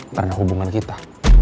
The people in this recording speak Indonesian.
karena hubungan kita